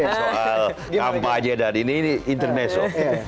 soal kampanye dari ini ini interneso